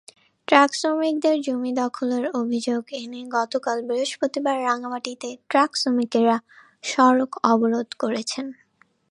ট্রাকশ্রমিকদের জমি দখলের অভিযোগ এনে গতকাল বৃহস্পতিবার রাঙামাটিতে ট্রাকশ্রমিকেরা সড়ক অবরোধ করেছেন।